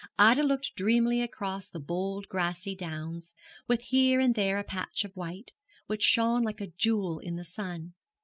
Ida looked dreamily across the bold grassy downs, with here and there a patch of white, which shone like a jewel in the sun.